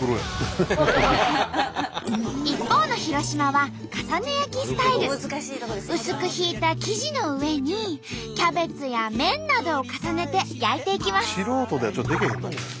一方の広島は薄くひいた生地の上にキャベツや麺などを重ねて焼いていきます。